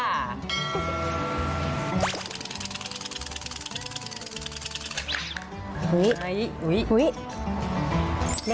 เหมือนไม่ได้